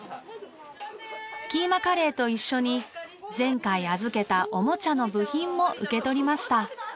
キーマカレーと一緒に前回預けたおもちゃの部品も受け取りました。